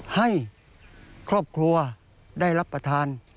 ให้ครอบครัวได้รับประทาน